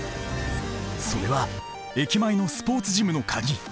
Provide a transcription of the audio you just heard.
それは駅前のスポーツジムの鍵。